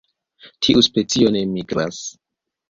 Tiu specio ne migras.